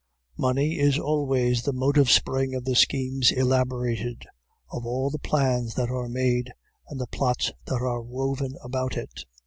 Money is always the motive spring of the schemes elaborated, of all the plans that are made and the plots that are woven about it!